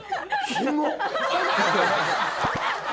キモっ！